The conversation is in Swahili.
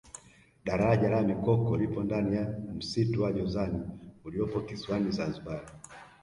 daraja la mikoko lipo ndani ya msitu wa jozani uliopo kisiwani zanzibar